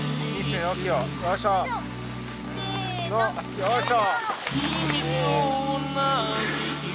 よいしょ！